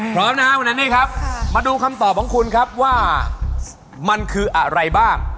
พร้อมนะครับวันนั้นนี่ครับมาดูคำตอบของคุณครับว่ามันคืออะไรบ้าง